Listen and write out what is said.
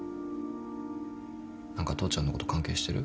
何か父ちゃんのこと関係してる？